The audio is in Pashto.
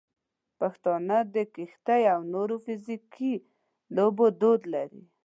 پښتانه د کشتۍ او نورو فزیکي لوبو دود لري.